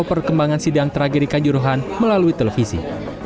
perkembangan sidang tragedi kanjuruhan melalui televisi